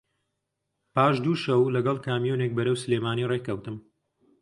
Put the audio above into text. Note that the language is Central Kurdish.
پاش دوو شەو لەگەڵ کامیۆنێک بەرەو سلێمانی ڕێ کەوتم